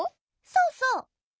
そうそう！